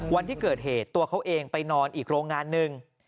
วันที่เกิดเหตุตัวเขาเองไปนอนอีกโรงงานหนึ่ง